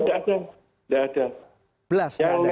enggak ada enggak ada